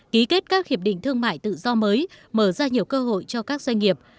ký kết các hiệp định thương mại tự do mới mở ra nhiều cơ hội cho các doanh nghiệp